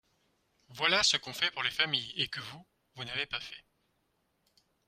Voilà ce qu’on fait pour les familles et que vous, vous n’avez pas fait.